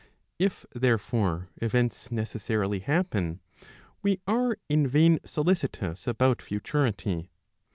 If, therefore, events necessarily happen, we are in vain solicitous about futurity.